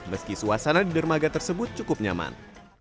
meski suasana di dermaga tersebut cukup nyaman